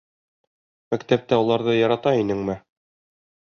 Мәктәптә уларҙы ярата инеңме?